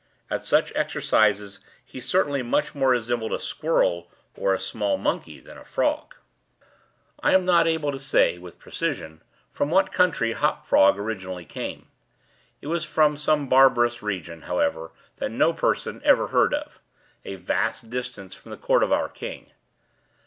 At such exercises he certainly much more resembled a squirrel, or a small monkey, than a frog. I am not able to say, with precision, from what country Hop Frog originally came. It was from some barbarous region, however, that no person ever heard of—a vast distance from the court of our king.